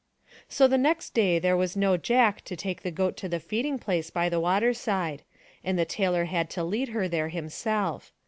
So the next day there was no Jack to take the goat to the feeding place by the waterside, and the tailor had to lead her there himself.